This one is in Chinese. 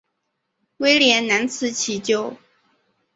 威廉难辞其咎。